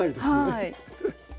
はい。